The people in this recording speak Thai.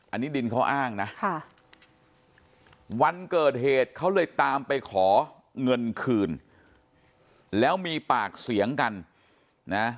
อันนี้ดินเขาอ้างนะวันเกิดเหตุเขาเลยตามไปขอเงินคืนแล้วมีปากเสียงกันนะ